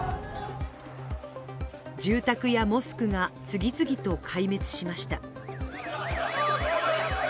住宅やモスクが次々と壊滅しました。